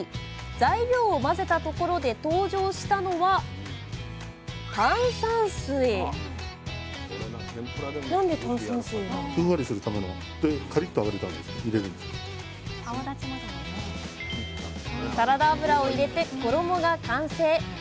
材料を混ぜたところで登場したのはサラダ油を入れて衣が完成！